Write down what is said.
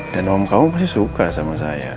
dan om kamu pasti suka sama saya